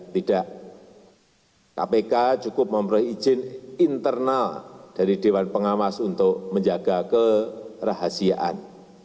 tidak kpk cukup memperoleh izin internal dari dewan pengawas untuk menjaga kerahasiaan